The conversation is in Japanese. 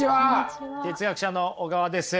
哲学者の小川です。